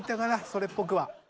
それっぽくは。